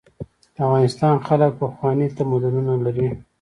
د افغانستان خلک پخواني تمدنونه لري.